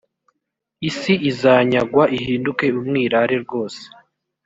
isi izanyagwa ihinduke umwirare rwose